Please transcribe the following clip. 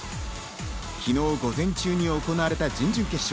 昨日、午前中に行われた準々決勝。